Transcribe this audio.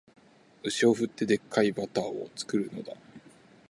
牛を振って、デッカいバターを作るのだ